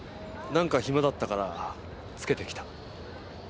なんか暇だったからつけてきた。